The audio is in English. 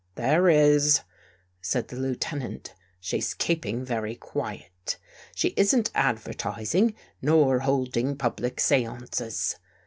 " There is," said the Lieutenant. " She's keep ing very quiet. She isn't advertising nor holding public seances.